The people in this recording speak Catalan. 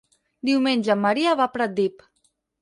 Diumenge en Maria va a Pratdip.